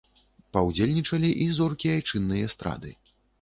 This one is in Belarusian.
Паўдзельнічалі і зоркі айчыннай эстрады.